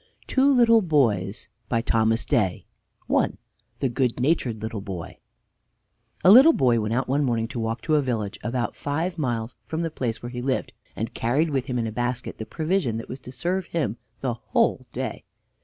TWO LITTLE BOYS By THOMAS DAY I THE GOOD NATURED LITTLE BOY A little boy went out one morning to walk to a village about five miles from the place where he lived, and carried with him in a basket the provision that was to serve him the whole day.